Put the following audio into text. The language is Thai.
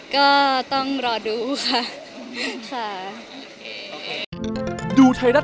ก็ต้องรอดูค่ะ